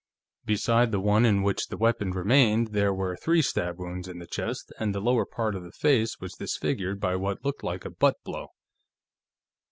Beside the one in which the weapon remained, there were three stab wounds in the chest, and the lower part of the face was disfigured by what looked like a butt blow.